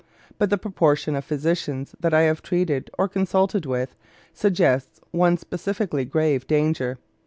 But the proportion of physicians that I have treated, or consulted with, suggests one specially grave danger.